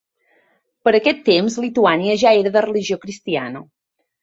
Per a aquest temps, Lituània ja era de religió cristiana.